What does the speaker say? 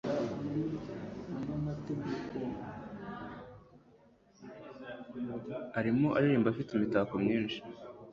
Arimo aririmba afite imitako myinshi.